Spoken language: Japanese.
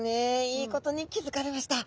いいことに気付かれました。